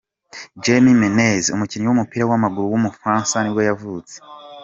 Jérémy Ménez, umukinnyi w’umupira w’amaguru w’umufaransa nibwo yavutse.